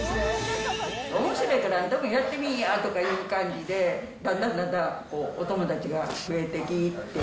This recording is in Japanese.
おもしろいからやってみいやみたいな感じで、だんだんだんだんお友達が増えてきて。